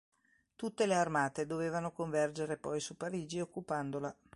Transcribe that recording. Tutte le armate dovevano convergere poi su Parigi occupandola.